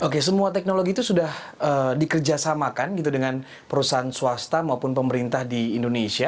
oke semua teknologi itu sudah dikerjasamakan gitu dengan perusahaan swasta maupun pemerintah di indonesia